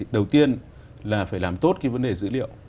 đầu tiên là phải làm tốt cái vấn đề dữ liệu